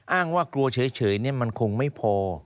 อ้างว่ากลัวเฉยมันคงไม่พอ